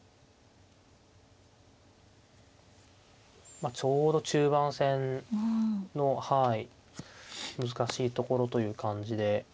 まあちょうど中盤戦のはい難しいところという感じで。